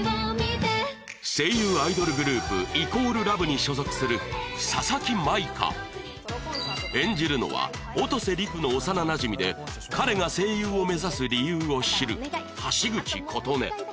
声優アイドルグループ＝ＬＯＶＥに所属する佐々木舞香演じるのは音瀬陸の幼なじみで彼が声優を目指す理由を知る橋口琴音